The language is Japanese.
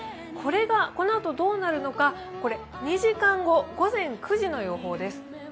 これがこのあとどうなるのか２時間後、午前９時の予報です。